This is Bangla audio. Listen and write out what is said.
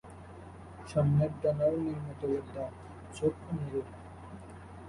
সামনের ডানার নিম্নতলের দাগ-ছোপ অনুরূপ।